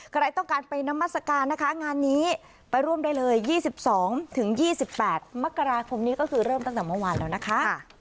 ใครต้องการไปนามัศกาลนะคะงานนี้ไปร่วมได้เลย๒๒๒๒๘มกราคมนี้ก็คือเริ่มตั้งแต่เมื่อวานแล้วนะคะ